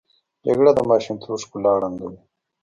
جګړه د ماشومتوب ښکلا ړنګوي